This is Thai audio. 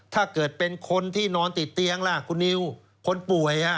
ถ้าเกิดเป็นคนที่นอนติดเตียงล่ะคุณนิวคนป่วย